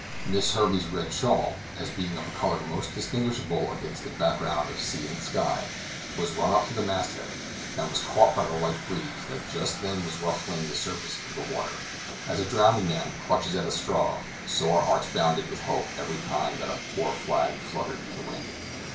Miss Herbey's red shawl, as being of a color most distinguishable against the background of sea and sky, was run up to the mast head, and was caught by the light breeze that just then was ruffling the surface of the water. As a drowning man clutches at a straw, so our hearts bounded with hope every time that our poor flag fluttered in the wind.